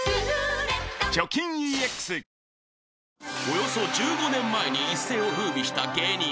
［およそ１５年前に一世を風靡した芸人。